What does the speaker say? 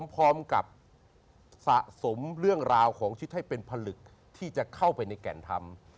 พร้อมกับสะสมเรื่องราวของชิดให้เป็นผลึกที่จะเข้าไปในแก่นทำ